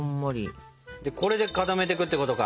でこれで固めていくってことか！